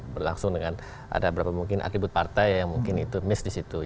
berlangsung dengan ada beberapa mungkin atribut partai yang mungkin itu miss di situ